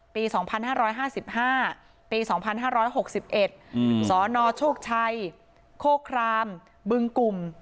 ปี๒๕๕๕ปี๒๕๖๑สนโชคชัยโคครามบึงกลุ่ม